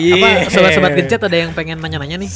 apa sobat sobat gencet ada yang pengen nanya nanya nih